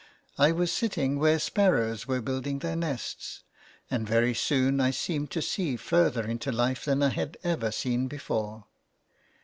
I was sitting where sparrows were building their nests, and very soon I seemed to see further into life than I had ever seen before.